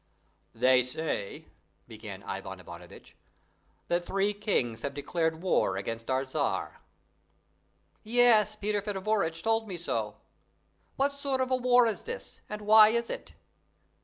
"They say," began Ivan Ivanovitch, "that three kings have declared war against our Tzar." "Yes, Peter Feodorovitch told me so. What sort of war is this, and why is it?"